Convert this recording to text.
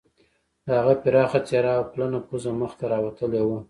د هغه پراخه څیره او پلنه پوزه مخ ته راوتلې وه